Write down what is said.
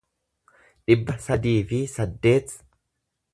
dhibba sadii fi saddeet